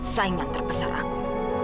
saingan terbesar aku